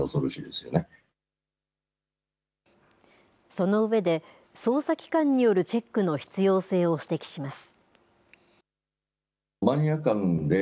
その上で捜査機関によるチェックの必要性を指摘します。